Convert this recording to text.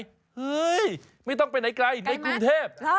เฮ้ยไม่ต้องไปไหนไกลในกรุงเทพ